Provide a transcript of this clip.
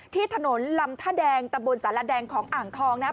ที่ถนนลำท่าแดงตะบนสารแดงของอ่างทองนะครับ